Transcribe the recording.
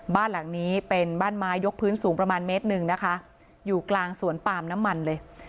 บ้านหลังนี้เป็นบ้านไม้ยกพื้นสูงประมาณเมตรหนึ่งนะคะอยู่กลางสวนปาล์มน้ำมันเลย